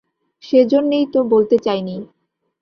সেইজন্যেই তো বলতে চাই নি।